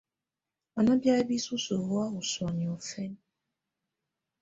Á ná bɛ̀áyá bisusǝ́ hɔ̀á ɔ́ sɔ̀á niɔ̀fɛna.